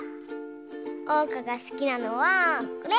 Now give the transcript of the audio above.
おうかがすきなのはこれ。